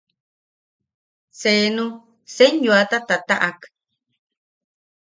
Senu senyoata tataʼak.